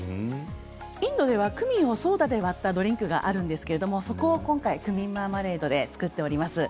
インドではクミンをソーダで割ったドリンクがあるんですけれども、それを今回クミンマーマレードで作っております。